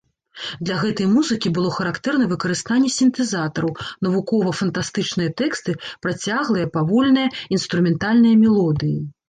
Для гэтай музыкі было характэрна выкарыстанне сінтэзатараў, навукова-фантастычныя тэксты, працяглыя, павольныя інструментальныя мелодыі.